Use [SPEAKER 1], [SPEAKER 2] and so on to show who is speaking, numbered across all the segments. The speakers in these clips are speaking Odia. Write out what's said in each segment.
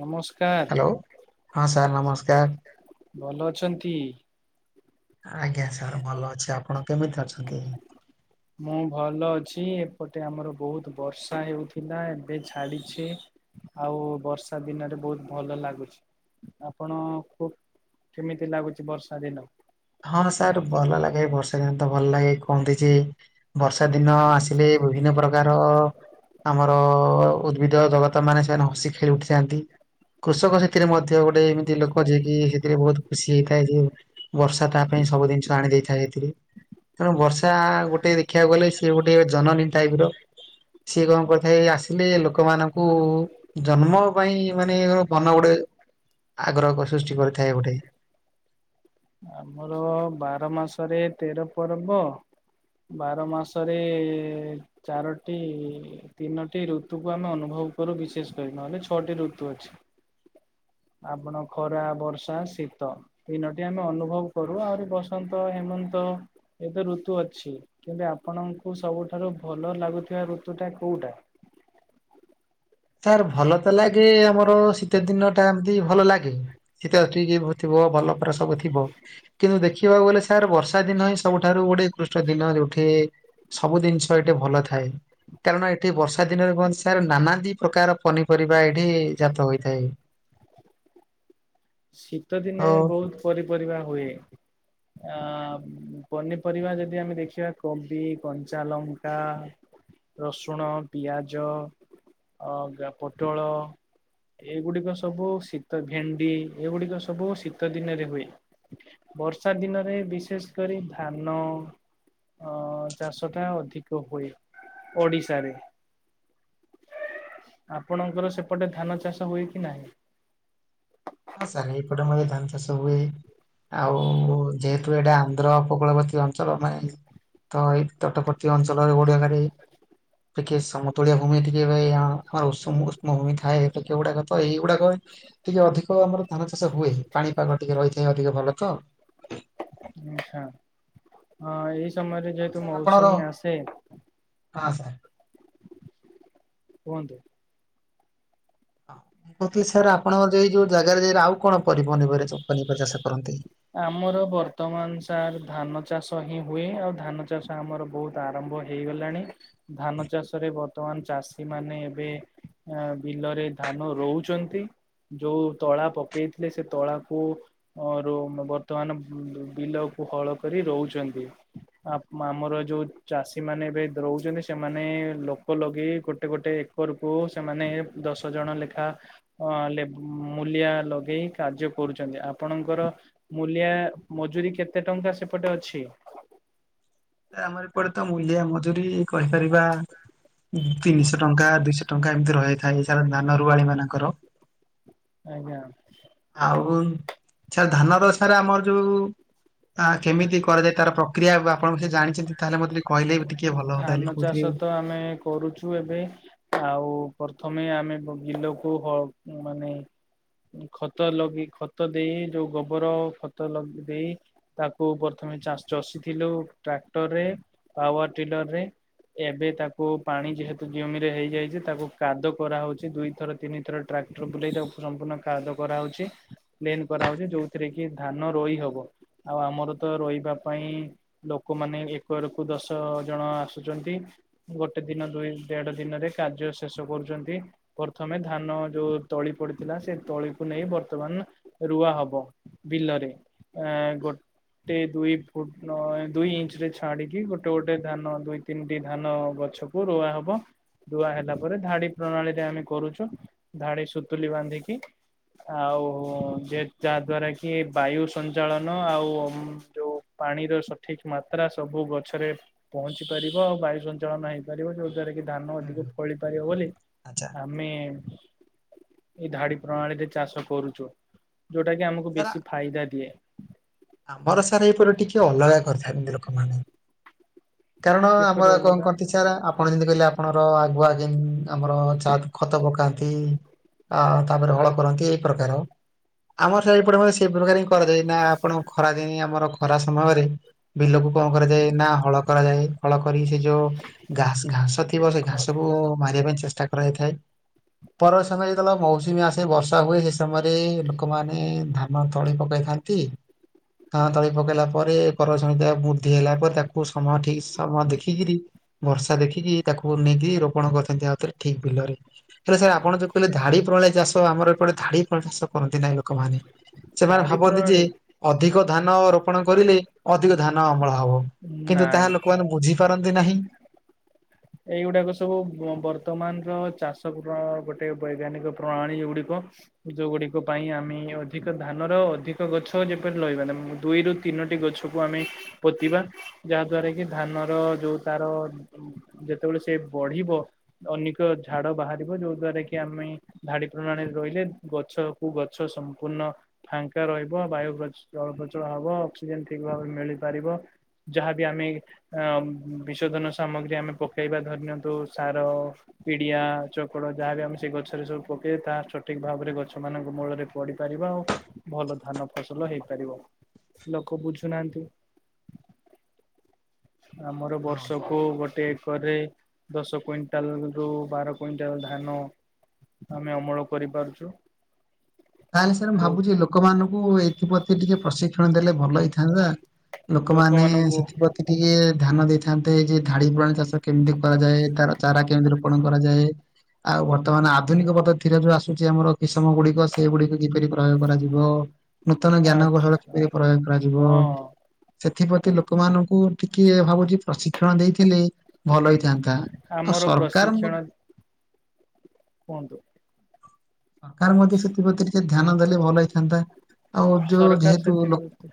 [SPEAKER 1] ନମସ୍କାର,
[SPEAKER 2] ହ୍ୟାଲୋ ହଁ ସାର୍ ନମସ୍କାର।
[SPEAKER 1] ଭଲ ଅଛନ୍ତି?
[SPEAKER 2] ଆଜ୍ଞା ସାର୍ ଭଲ ଅଛି, ଆପଣ କେମିତି ଅଛନ୍ତି?
[SPEAKER 1] ମୁଁ ଭଲ ଅଛି, ଏପଟେ ଆମର ବହୁତ ବର୍ଷା ହେଉଥିଲା ଏବେ ଛାଡିଛି। ଆଉ ବର୍ଷା ଦିନରେ ବହୁତ ଭଲ ଲାଗୁଛି। ଆପଣ ଖୁବ କେମିତି ଲାଗୁଛି ବର୍ଷା ଦିନ?
[SPEAKER 2] ହଁ ସାର୍ ଭଲ ଲାଗେ ବର୍ଷା ଦିନ ତ ଭଲ ଲାଗେ କୁହନ୍ତି ଯେ ବର୍ଷା ଦିନ ଆସିଲେ ବିଭିନ୍ନ ପ୍ରକାର ଆମର ଉଦ୍ଭିଦ ଜଗତ ମାନେ ସେମାନେ ହକି ଖେଳି ଉଠିଥାନ୍ତି। କୃଷକ ସେଥିରେ ମଧ୍ୟ ଗୋଟେ ଏମିତି ଲୋକ ଯିଏକ ସେଥିରେ ବହୁତ ଖୁସି ହେଇଥାଏ ଯେ ବର୍ଷା ତା ପାଇଁ ସବୁ ଜିନିଷ ଆଣି ଦେଇଥାଏ ହେତୀରେ। ତେଣୁ ବର୍ଷା ଗୋଟେ ଦେଖିବାକୁ ଗଲେ ସିଏ ଗୋଟେ ଜନନୀ ଟାଇପ ର। ସିଏ କଣ କରିଥାଏ ଆସିଲେ ଲୋକମାନଙ୍କୁ ଜନ୍ମ ପାଇଁ ମାନେ ମନ ଗୋଟେ ଆଗ୍ରହକ ସୃଷ୍ଟି କରିଥାଏ ଗୋଟେ।
[SPEAKER 1] ଆମର ବାର ମାସରେ ତେର ପର୍ବ। ବାର ମାସରେ ଚାରୋଟି, ତିନୋଟି ଋତୁକୁ ଆମେ ଅନୁଭବ କରୁ ବିଶେଷ କରି, ନହେଲେ ଛଅଟି ଋତୁ ଅଛି।
[SPEAKER 2] [inaudible]
[SPEAKER 1] ଆପଣ ଖରା, ବର୍ଷା, ଶୀତ ତିନୋଟି ଆମେ ଅନୁଭବ କରୁ, ଆହୁରି ବସନ୍ତ, ହେମନ୍ତ ଏ ତ ଋତୁ ଅଛି କିନ୍ତୁ ଆପଣଙ୍କୁ ସବୁଠାରୁ ଭଲ ଲାଗୁଥିବା ଋତୁ ଟା କୋଉଟା?
[SPEAKER 2] ସାର୍ ଭଲ ତ ଲାଗେ, ଆମର ଶୀତ ଦିନ ଟା ଏମତି ଭଲ ଲାଗେ। [unintelligible] ଭଲ ପରା ସବୁ ଥିବ କିନ୍ତୁ ଦେଖିବାକୁ ଗଲେ ତାର ବର୍ଷା ଦିନ ହିଁ ସବୁଠାରୁ ଗୋଟେ ଉକୃଷ୍ଟ ଦିନ ଯୋଉଠି ସବୁ ଜିନିଷ ଏଇଠି ଭଲ ଥାଏ। କାରଣ ଏଠି ବର୍ଷା ଦିନରେ ହୁଅନ୍ତି ସାର, ନାନା ଦି ପ୍ରକାର ପନିପରିବା ଏଇଠି ଜାତ ହୋଇଥାଏ।
[SPEAKER 1] ଶୀତ
[SPEAKER 2] ଓ
[SPEAKER 1] ଦିନେ ବହୁତ ପରି ପରିବା ହୁଏ। ଆ ପନିପରିବା ଯଦି ଆମେ ଦେଖିବା କୋବି, କଞ୍ଚା ଲଙ୍କା ରସୁଣ, ପିଆଜ ଆ ପୋଟଳ ଏଗୁଡିକ ସବୁ ଶୀତ ଭେଣ୍ଡି, ଏଗୁଡିକ ସବୁ ଶୀତ ଦିନରେ ହୁଏ। ବର୍ଷା ଦିନରେ ବିଶେଷ କରି ଧାନ। ଅ ଚାଷଟା ଅଧିକ ହୁଏ, ଓଡିଶାରେ। ଆପଣଙ୍କର ସେପଟେ ଧାନ ଚାଷ ହୁଏ କି ନାହିଁ?
[SPEAKER 2] ହଁ ସାର୍ ଏଇପଟେ ମଧ୍ୟ ଧାନ ଚାଷ ହୁଏ, ଆଉ ଯେ ତୁ ଏଇଟା ଆନ୍ଧ୍ର ଉପକୂଳବର୍ତ୍ତୀ ଅଞ୍ଚଳ, ମାନେ ତ ଏଇ ତଟବର୍ତ୍ତୀ ଅଞ୍ଚଳ ଓଡିଆ ଘରେ ଟିକେ ସମତୁଳିଆ ଭୂମି ଟିକେ ଭାଇ ଆମର ଉଷ୍ମ ଉଷ୍ମ ଭୂମି ଥାଏ, ଟିକେ ଏଇ ଗୁଡାକ ତ ଏଇଗୁଡାକ ଟିକେ ଅଧିକ ଆମର ଧାନ ଚାଷ ହୁଏ, ପାଣିପାଗ ଟିକେ ରହିଥାଏ ଅଧିକ ଭଲ ତ।
[SPEAKER 1] ଆଛା, ଅ ଏଇ ସମୟରେ
[SPEAKER 2] ଆଉ
[SPEAKER 1] ଯେହେତୁ
[SPEAKER 2] ସାର୍ ଆପଣର
[SPEAKER 1] ମୌସୁମୀ ଆସେ।
[SPEAKER 2] ହଁ ସାର୍।
[SPEAKER 1] କୁହନ୍ତୁ।
[SPEAKER 2] ଅଙ୍କିତ୍ ସାର୍ ଆପଣ ଯାଇ ଯୋଉ ଜାଗାରେ ଯାଇର ଆଉ କଣ [unintelligible] ପନିିପରିବା ଚାଷ କରନ୍ତି?
[SPEAKER 1] ଆମର ବର୍ତ୍ତମାନ ସାର୍ ଧାନ ଚାଷ ହିଁ ହୁଏ, ଆଉ ଧାନ ଚାଷ ଆମର ବହୁତ ଆରମ୍ଭ ହେଇଗଲାଣି, ଧାନ ଚାଷରେ ବର୍ତ୍ତମାନ ଚାଷୀ ମାନେ ଏବେ ଆ ବିଲରେ ଧାନ ରୋଉଛନ୍ତି। ଯୋଉ ତଳା ପକେଇଥିଲେ, ସେ ତଳାକୁ ଅ ରୁମ୍, ବର୍ତ୍ତମାନ ବିଲକୁ ହଳ କରି ରୋଉଛନ୍ତି। ଆପ୍ ଆମର ଯୋଉ ଚାଷୀ ମାନେ ଏବେ ରହୁଛନ୍ତି, ସେମାନେ ଲୋକ ଲଗେଇ ଗୋଟେ ଗୋଟେ ଉପରକୁ ସେମାନେ ଦଶ ଜଣ ଲେଖା ହଁ ଲେବ ମୂଲିଆ ଲଗେଇ କାର୍ଯ୍ୟ କରୁଛନ୍ତି, ଆ ପଣଙ୍କର ମୂଲିଆ ମଜୁରୀ କେତେ ଟଙ୍କା ସେପଟେ ଅଛି?
[SPEAKER 2] ଆମର ଏପଟେ ତ ମୂଲିଆ ମଜୁୁରୀ କହିପାରିବା ତିନିଶହ ଟଙ୍କା ଦୁଇଶହ ଟଙ୍କା ଏମିତି ରହିଥାଏ। ସେଇ ଧାନ ରୁଆଳିୀ ମାନଙ୍କର।
[SPEAKER 1] ଆଜ୍ଞା।
[SPEAKER 2] ଆଉ ସାର୍ ଧାନର ସାରେ ଆମର ଯୋଉ, କେମିତି କରାଯାଏ ତାର ପ୍ର କ୍ରିୟା ଆପଣ ସେ ଜାଣିଛନ୍ତି ତାହେଲେ ମତେ ଟିକେ କହିଲେ ବି ଟିକେ ଭଲବ ତାହେଲେ କହୁଥିଲି।
[SPEAKER 1] ନାଇଁ କରୁଚୁ ଏବେ ଆଉ ପ୍ରଥମେ ଆମେ ବିଲକୁ ହ ମାନେ ଖତ ଲଗି ଖତ ଦେଇ ଯୋଉ ଗୋବର ଖତ ଲଗ ଦେଇ ତାକୁ ପ୍ରଥମେ ଚାସ୍ ଚଷିଥିଲୁ ଟ୍ରାକ୍ଟରରେ ପାୱାର ଟିଲରରେ। ଏବେ ତାକୁ ପାଣି ଯେହେତୁ ଜମିରେ ହେଇଯାଇଚି ତାକୁ କାଦ କରାହଉଚି ଦୁଇ ଥର ତିନିଥର ଟ୍ରାକ୍ଟର ବୁଲେଇ ତାକୁ ସମ୍ପୂର୍ଣ୍ଣ କାଦ କରାହଉଚି। ପ୍ଲେନ୍ କରାହଉଚି ଯୋଉଥିରେକି ଧାନ ରୋଇ ହବ। ଆଉ ଆମରତ ରୋଇବା ପାଇଁ ଲୋକମାନେ ଏପର କୁ ଦଶ ଜଣ ଆସୁଚନ୍ତି। ଗୋଟେ ଦିନ ଦୁଇ ଦେଢ ଦିନରେ କାର୍ଯ୍ୟ ଶେଷ କରୁଚନ୍ତି। ପ୍ରଥମେ ଧାନ ଯୋଉ ତଳି ପଡ଼ିଥିଲା ସେ ତଳିକୁ ନେଇ ବର୍ତ୍ତମାନ ରୁଆ ହବ। ବିଲରେ ଅ ଗୋଟେ ଦୁଇ ଫୁଟ ନ ଦୁଇ ଇଞ୍ଚରେ ଛାଡ଼ି କି ଗୋଟେ ଗୋଟେ ଧାନ ଦୁଇ ତିନିଟି ଧାନ ଗଛକୁ ରୁଆ ହବ। ଧୁଆ ହେଲା ପରେ ଧାଡ଼ି ପ୍ରଣାଳୀରେ ଆମେ କରୁଚୁ ଧାଡ଼ି ସୁତୁଲି ବାନ୍ଧିକି। ଆଉ ଯେ ଯାହା ଦ୍ଵାରାକି ବାୟୁ ସଞ୍ଚାଳନ ଆଉ ଯୋଉ ପାଣିର ସଠିକ୍ ମାତ୍ରା ସବୁ ଗଛରେ ପହଞ୍ଚି ପାରିବ ଆଉ ବାୟୁ ସଞ୍ଚାଳନ ହେଇପାରିବ ଯୋଉ ଚାରିକି ଧାନ
[SPEAKER 2] ହୁଁ
[SPEAKER 1] ଅଧିକ
[SPEAKER 2] ହୁଁ
[SPEAKER 1] ଫଳି ପାରିବ ବୋଲି
[SPEAKER 2] ଆଚ୍ଛା
[SPEAKER 1] ଆ ମେ ଏଇ ଧାଡ଼ି ପ୍ରଣାଳୀରେ ଚାଷ କରୁଚୁ ଯୋଉଟାକି ଆମକୁ
[SPEAKER 2] ସାର୍
[SPEAKER 1] ବେଶୀ ଫାଇଦା ଦିଏ।
[SPEAKER 2] ଆମର ସାର୍ ଏଇପଟ ଟିକେ ଅଲଗା କରିଥାନ୍ତି ଲୋକମାନେ। କାରଣ ଆମର
[SPEAKER 1] କିପରି
[SPEAKER 2] କଣ
[SPEAKER 1] ଅଲଗା
[SPEAKER 2] କରନ୍ତି ସାର୍ ଆପ ଆପଣ ଯେମିତି କହିଲେ ଆପଣର ଆଗୁଆ ଯେ ଆମର ଚା ଖତ ପକାନ୍ତି। ଅ ତାପରେ ହଳ କରନ୍ତି ଏଇ ପ୍ରକାର ଆମର ସେପଟେ ସେଇ ପ୍ରକାରେ କରାଯାଏ ନାଆପଣ ଖରା ଦିନେ ଆମର ଖରା ସମୟରେ ବିଲକୁ କଣ କରାଯାଏ ନାହଳ କରାଯାଏ ହଳ କରି ସେ ଯୋଉ ଘା ଘାସ ଥିବ ସେଘାସକୁୁ ମାରିବା ପାଇଁ ଚେଷ୍ଟା କରାଯାଇଥାଏ। ପର ସମୟରେ ଯେତେବେଳେ ମୌସୁମୀ ଆସେ ବର୍ଷା ହୁଏ ସେସମୟରେ ଲୋକମାନେ ଧା ନ ତଳି ପକାଇଥାନ୍ତି ଧା ତଳି ପକେଇଲା ପରେ ପରବର୍ତୀ ସମରେ ବୃଦ୍ଧି ହେଲା ପରେ ତାକୁ ସମୟ ଠିକ୍ ସମୟ ଦେଖିକିରି ବର୍ଷା ଦେଖିକି ତାକୁ ନେଇକି ରୋପଣ କରିଥାନ୍ତି ଆଉଥରେ ଠିକ୍ ବିଲରେ। ହେଲେ ସାର୍ ଆପଣ ଯଉ କହିଲେ ଧାଡ଼ି ପ୍ରଣାଳୀ ଚାଷ ଆମର ଏପଟେ ଧାଡ଼ି ପ୍ରଣାଳି ଚାଷ କରନ୍ତି ନାଇଁ ଲୋକମାନେ। ସେମାନେ
[SPEAKER 1] ଧାଡି
[SPEAKER 2] ଭାବନ୍ତି ଯେ
[SPEAKER 1] ପ୍ରଣାଳୀ
[SPEAKER 2] ଅଧିକ ଧାନ ରୋପଣ କରିଲେ ଅଧିକ ଧାନ ଅମଳ ହବ କିନ୍ତୁ ତାହା
[SPEAKER 1] ନାଇଁ
[SPEAKER 2] ଲୋକମାନେ ବୁଝି କରନ୍ତି ନାହିଁ।
[SPEAKER 1] ଏଇଗୁଡ଼ାକ ସବୁ ବର୍ତ୍ତମାନର ଚାଷର ଗୋଟେ ବୈଜ୍ଞାନିକ ପ୍ରଣାଳୀ ଏଗୁଡ଼ିକ ଯେଉଁଗୁଡ଼ିକ ପାଇଁ ଆମେ ଅଧିକ ଧାନର ଅଧିକ ଗଛ ଯେପରି ଲହବା ନାହିଁ ଦୁଇରୁ ତିନୋଟି ଗଛକୁ ଆମେ ପୋତିବା ଯାହା ଦ୍ଵାରାକି ଧାନର ଯୋଉ ତାର ଯେତେବେଳେ ସେବଢିବ ଅନେକ ଝାଡ଼ ବାହାରିବ, ଯୋଉ ଦ୍ଵାରାକି ଆମେ ଧାଡ଼ି ପ୍ରଣାଳୀରେ ରହିଲେ ଗଛକୁ ଗଛ ସମ୍ପୂର୍ଣ୍ଣ ଫାଙ୍କା ରହିବ, ବାୟୁ ଜଳପ୍ରଚଳ ହବ, ଅକ୍ସିଜେନ ଠିକ୍ ଭାବରେ ମିଳିପାରିବ ଯାହାବି ଆମେ ଅ ବିଶୋଧନ ସାମଗ୍ରୀ ଆମେ ପକାଇବା ଧରି ନିଅନ୍ତୁ ସାର ପିଡ଼ିଆ ଚକଡା ଯାହାବି ଆମେ ସେଇ ଗଛରେ ସବୁ ପକେବା ତାହା ସଠିକ୍ ଭାବରେ ଗଛ ମାନଙ୍କ ମୂଳରେ ପଡ଼ିପାରିବ ଆଉ ଭଲ ଧାନ ଫସଲ ହେଇପାରିବ। ଲୋକ ବୁଝୁନାହାନ୍ତି। ଆମର
[SPEAKER 2] ହଁ ସାର୍।
[SPEAKER 1] ବର୍ଷକୁ ଗୋଟେ କରେ ଦଶ କୁଇଣ୍ଟାଲ ରରୁ ବାର କୁଇଣ୍ଟାଲ ଧାନ ଆମେ ଅମଳ କରିପାରୁଛୁ।
[SPEAKER 2] ତାହେଲେ ସାର୍ ମୁ
[SPEAKER 1] ବହୁତ
[SPEAKER 2] ଭାବୁଛି ଲୋକମାନଙ୍କୁ ଏଥିପ୍ରତି ଟିକେ ପ୍ରଶିକ୍ଷଣ ଦେଲେ ଭଲ ହେଇ ନ୍ତା ଲୋକମାନେ
[SPEAKER 1] ଲୋକମାନଙ୍କୁ
[SPEAKER 2] ସେଥିପ୍ର ଟିକେ ଧ୍ୟାନ ଦେଇଥାନ୍ତେ ଯେ ଧାଡି ପ୍ରଣାଳୀ ଚାଷ କେମିତି କରାଯାଏ ତାର ଚାରା କେମିତି ରୋପଣ କରାଯାଏ। ଆଉ ବର୍ତ୍ତମାନ ଆଧୁନିକ ପଦତୀରେ ଯୋଉ ଆସୁଛି ଆମର କିସମ ଗୁଡିକ ସେଗୁଡିକ କିପରି ପ୍ରୟୋଗ କରାଯିବ ନୂତନ ଜ୍ଞାନ କୌଶଳ
[SPEAKER 1] ଆଚ୍ଛା
[SPEAKER 2] କିପରି ପ୍ରୟୋଗ କରାଯିବ।
[SPEAKER 1] ହଁ
[SPEAKER 2] ସେଥିପ୍ରତି ଲୋକମାନଙ୍କୁ ଟିକେ ଭାବୁଛି ପ୍ରଶିକ୍ଷଣ ଦେଇଥିଲେ ଭଲ ହେଇଥାନ୍ତା ଆଉ
[SPEAKER 1] ଆମର
[SPEAKER 2] ସରକାର
[SPEAKER 1] ପ୍ରଶିକ୍ଷଣ କୁହନ୍ତୁ।
[SPEAKER 2] ସରକାର ମଧ୍ୟ ସେଥିପ୍ରତି ଟିକେ ଧ୍ୟାନ ଦେଲେ ଭଲ ହେଇଥାନ୍ତା ଆଉ ଯୋଉ
[SPEAKER 1] ସରକାର
[SPEAKER 2] ଯେହେତୁ।
[SPEAKER 1] ସେଥିପ୍ରତି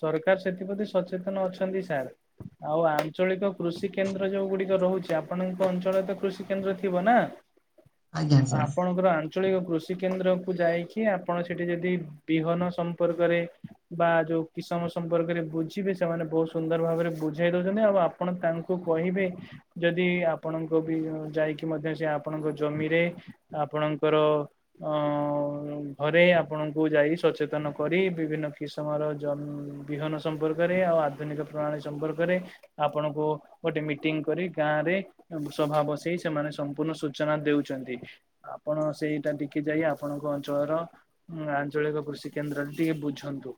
[SPEAKER 1] ସରକାର ସେଥିପ୍ରତି ସଚେତନ ଅଛନ୍ତି ସାର୍। ଆଉ ଆଞ୍ଚଳିକ କୃଷି କେନ୍ଦ୍ର ଯୋଉ ଗୁଡିକ ରହୁଛି ଆପଣଙ୍କ ଅଞ୍ଚଳରେ ତ କୃଷି କେନ୍ଦ୍ର ଥିବ ନା?
[SPEAKER 2] ଆଜ୍ଞା ସାର୍
[SPEAKER 1] ଆପଣ ଙ୍କର ଆଞ୍ଚଳିକ କୃଷି କେନ୍ଦ୍ରକୁୁ ଯାଇକି ଆପଣ ସେଠି ଯଦି ବିହନ ସମ୍ପର୍କ ରେ ବା ଯଉ କିସମମ ସମ୍ପର୍କରେ ବୁଝିବେ ସେମାନେ ବହୁତ ସୁନ୍ଦର ଭାବରେ ବୁଝାଇ ଦଉଛନ୍ତି ଆଉ ଆପଣ ତାଙ୍କୁ କହିବେ ଯଦି ଆପଣଙ୍କ ବି ଯାଇକି ମଧ୍ୟ ସେ ଆପଣଙ୍କ ଜମିରେ ଆପଣଙ୍କର ଅ ଘରେ ଆପଣଙ୍କୁ ଯାଇ ସଚେତନ କରି ବିଭିନ୍ନ କିସମର ବିହନ ସମ୍ପର୍କରେ ଆଉ ଆଧୁନିକ ପ୍ରଣାଳୀ ସମ୍ପର୍କରେ ଆପଣଙ୍କୁ ଗୋଟେ ମିଟିଂ କରି ଗାଁ ରେ ସଭା ବସେଇ ସେମାନେ ସମ୍ପୂର୍ଣ୍ଣ ସୂଚନା ଦେଉଛନ୍ତି। ଆପଣ ସେଇଟା ଟିକି ଯାଇ ଆପଣଙ୍କ ଅଞ୍ଚଳର। ହଁ ଆଞ୍ଚଳିକ କୃଷି କେନ୍ଦ୍ରରେ ଟିକେ ବୁଝନ୍ତୁ।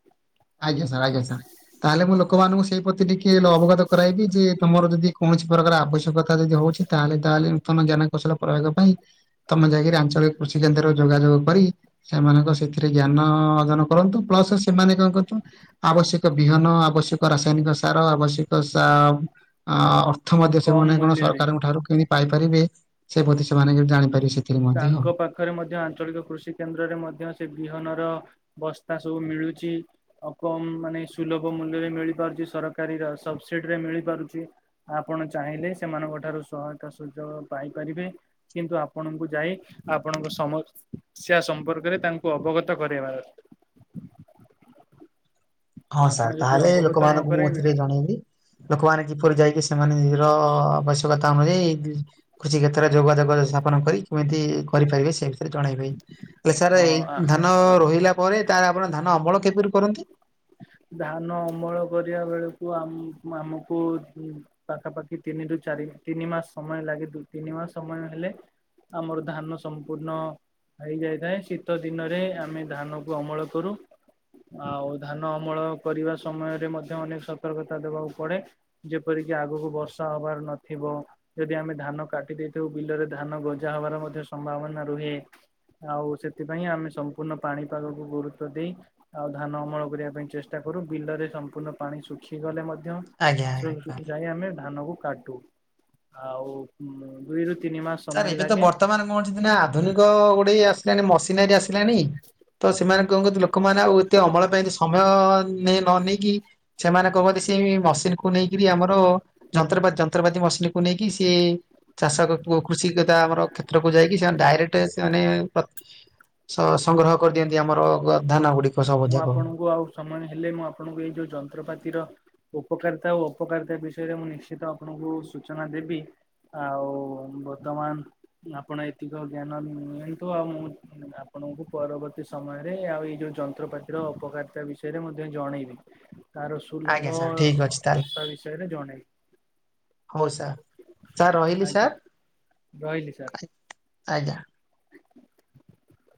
[SPEAKER 2] ଆଜ୍ଞା ସାର୍ ଆଜ୍ଞା ସାର୍ ତାହେଲେ ମୁଁ ଲୋକମାନଙ୍କୁ ସେଇ ପ୍ରତି ଟିକେ ଅବଗତ କରାଇବି ଯେ ତମର ଯଦି କୌଣସି ପ୍ରକାର ଆବଶ୍ୟକତା ଯଦି ହଉଛି ତାହେଲେ ତାହେଲେ ନୂତନ ଜ୍ଞାନ କୌଶଳ ପ୍ରୟୋଗ ପାଇଁ ତମେ ଯାଇକି ଆଞ୍ଚଳିକ କୃଷି କେନ୍ଦ୍ରରେ ଯୋଗାଯୋଗ କରି। ସେମାନଙ୍କ ସେଥିରେ ଜ୍ଞାନ ଅର୍ଜନ କରନ୍ତୁ ପ୍ଲସ ସେମାନେ କଣ କରୁ ଆବଶ୍ୟକ ବିହନ ଆବଶ୍ୟକ ରାସାୟନିକ ସାର ଆବଶ୍ୟକ ଅ ଅର୍ଥ ମଧ୍ୟ
[SPEAKER 1] କମ
[SPEAKER 2] ସେମାନେ କଣ
[SPEAKER 1] ମୂଲ୍ୟରେ
[SPEAKER 2] ସରକାରଙ୍କ ଠାରୁ କିତି ପାଇପାରିବେ ସେ ପ୍ରତି ସେମାନେ ଜାଣିପାରିବ ସେ
[SPEAKER 1] ତାଙ୍କ ପାଖ ପାଖରେ ମଧ୍ୟ ଆଞ୍ଚଳିକ କୃଷି କେନ୍ଦ୍ରରେ ମଧ୍ୟ ସେ ବିହନର ବସ୍ତା ସବୁ ମିଳୁଛି। ଆଉ କମ ମାନେ ସୁଲଭ ମୂଲ୍ୟରେ ମିଳି ପାରୁଛି ସରକାରୀର ସବସିଡି ରେ ମିଳି ପାରୁଛି। ଆପଣ ଚାହିଁଲେ ସେମାନଙ୍କ ଠାରୁ ସହାୟତା ସୁଯୋଗ ପାଇପାରିବେ କିନ୍ତୁ ଆପଣଙ୍କୁ ଯାଇ ଆପଣଙ୍କ ସମସ୍ୟା ସମ୍ପର୍କରେ ତାଙ୍କୁ ଅବଗତ କରେଇବା ଦରକାର।
[SPEAKER 2] ହଁ
[SPEAKER 1] ଆପଣ
[SPEAKER 2] ସାର୍
[SPEAKER 1] ଯଦି
[SPEAKER 2] ତାହେଲେ
[SPEAKER 1] ଅବଗତ ନ
[SPEAKER 2] ଲୋକମାନଙ୍କୁ ମୁଁ
[SPEAKER 1] କରାଇବେ
[SPEAKER 2] ଏଥିରେ ଜଣେଇବି। ଲୋକମାନେ କିପରି ଯାଇକି ସେମାନେ ନିଜର ଆବଶ୍ୟକତା ଅନୁଯାୟୀ। କୃଷ କ୍ଷେତ୍ରରେ ଯୋଗ ଯୋଗ ସ୍ଥାପନ କରି କେମିତି କରିପାରିବେ ସେ ବିଷୟରେ ଜଣେଇବେ ହେଲେ ସାର୍
[SPEAKER 1] ହଁ
[SPEAKER 2] ଏଇ
[SPEAKER 1] ଆ
[SPEAKER 2] ଧାନ ରୋଇଲା ପରେ ତାର ଆପଣ ଧାନ ଅମଳ କିପରି କରନ୍ତି?
[SPEAKER 1] ଧାନ ଅମଳ କରିବା ବେଳକୁ ଆମ ଆମକୁ ପାଖାପାଖି ତିନି ରରୁ ଚାରି ତିନି ମାସ ସମୟ ଲାଗେ ଦୁ ତିନି ମାସ ସମୟ ହେଲେ। ଆମର ଧାନ ସମ୍ପୂର୍ଣ୍ଣ ହେଇଯାଇଥାଏ ଶୀତ ଦିନରେ ଆମେ ଧାନ କୁ ଅମଳ କରୁ ଆଉ ଧାନ ଅମଳ କରିବା ସମୟରେ ମଧ୍ୟ ଅନେକ ସତର୍କତା ଦେବାକୁ ପଡ଼େ। ଯେପରିକି ଆଗକୁ ବର୍ଷା ହବାର ନଥିବ। ଯଦି ଆମେ ଧାନ କାଟି ଦେଇଥାଉ ବିଲରେ ଧାନ ଗଜା ହବାର ମଧ୍ୟ ସମ୍ଭାବନା ରୁହେ। ଆଉ ସେଥିପାଇଁ ଆମେ ସମ୍ପୂର୍ଣ୍ଣ ପାଣିପାଗକୁ ଗୁରୁତବ ଦେଇ ଆଉ ଧାନ ଅମଳ କରିବା ପାଇଁ ଚେଷ୍ଟା କରୁ ବିଲରେ ସମ୍ପୂର୍ଣ୍ଣ ପାଣି ଶୁଖିଗଲେ ମଧ୍ୟ।
[SPEAKER 2] ଆଜ୍ଞା
[SPEAKER 1] ସେଇବୁ
[SPEAKER 2] ଆଜ୍ଞା।
[SPEAKER 1] ଯାଇ ଆମେ ଧାନ କ କାଟୁ ଆଉ ଦୁଇରୁ ତିନି ମାସ ସମୟ
[SPEAKER 2] ସାର୍ ଏବେ ତ
[SPEAKER 1] ଲାଗେ
[SPEAKER 2] ବର୍ତ୍ତମାନ କଣ ଅଛନ୍ତି ନା ଆଧୁନିକ ଗୋଟେ ଆସିଲାଣି ମସିନାରୀ ଆସିଲାଣି। ତ ସେମାନେ କଣ କନ୍ତି ଲୋକମାନେ ଆଉ ଏତେ ଅମଳ ପାଇଁ ସମୟ ନେଇ ନ ନେଇକି ସେମାନେ କହନ୍ତି ସେ ମସିନ କୁ ନେଇକରି ଆମର। ଯନ୍ତ୍ରପତି ଯନ୍ତ୍ରପତି ମସିନକୁ ନେଇକି ସେ ଚାଷ। କୃଷି କତା ଆମର କ୍ଷେତ୍ରକୁ ଯାଇକି ସେମାନେ ଡାଇରେକ୍ଟ ସେମାନେ ସ ସଂଗ୍ରହ କରିଦିଅନ୍ତି ଆମର ଧାନ ଗୁଡିକ ସବୁ
[SPEAKER 1] ମୁଁ
[SPEAKER 2] ଯାକ।
[SPEAKER 1] ଆପଣଙ୍କୁ ଆଉ ସମୟ ହେଲେ ମୁଁ ଆପଣଙ୍କୁ ଏଇ ଯୋଉ ଯନ୍ତ୍ରପାତିର ଉପକାରିତା ଓ ଅପକାରିତା ବିଷୟରେ ମୁଁ ନିଶ୍ଚିତ ଆପଣଙ୍କୁ ସୂଚନା ଦେବି ଆଉ ବର୍ତମାନ ଆପଣ ଏତିକ ଜ୍ଞାନ ନିଅନ୍ତୁ ଆଉ ମୁଁ ଆପଣଙ୍କୁ ପରବର୍ତ୍ତୀ ସମୟରେ ଆଉ ଏଇ ଯୋଉ ଯନ୍ତ୍ରପାତିର ଅପକାରିତା ବିଷୟରେ ମଧ୍ୟ ଜଣେଇବି। ତାର ସୁଲଭ
[SPEAKER 2] ଆଜ୍ଞା ସାର୍ ଠିକ ଅଛି ତାହେଲେ
[SPEAKER 1] ତା ବିଷୟରେ ଜଣେଇବି।
[SPEAKER 2] ହଉ ସାର୍ ସାର୍ ରହିଲି
[SPEAKER 1] ଆଜ୍ଞା
[SPEAKER 2] ସାର୍ ଆଜ୍ଞା।
[SPEAKER 1] ହ [unintelligible]